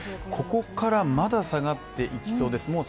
ここからまだ下がっていきそうです。